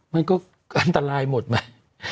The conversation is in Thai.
มันก็อันตรายหมดมั้ย